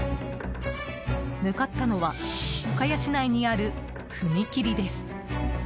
向かったのは深谷市内にある踏切です。